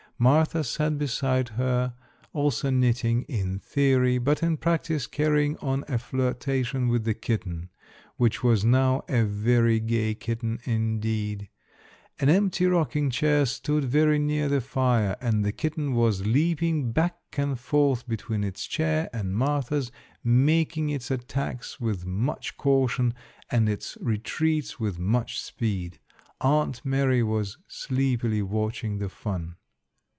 Martha sat beside her, also knitting, in theory, but in practice carrying on a flirtation with the kitten, which was now a very gay kitten, indeed. An empty rocking chair stood very near the fire and the kitten was leaping back and forth between its chair and Martha's, making its attacks with much caution and its retreats with much speed. Aunt Mary was sleepily watching the fun.